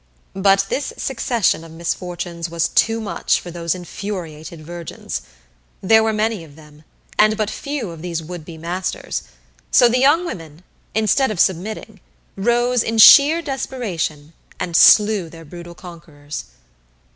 But this succession of misfortunes was too much for those infuriated virgins. There were many of them, and but few of these would be masters, so the young women, instead of submitting, rose in sheer desperation and slew their brutal conquerors.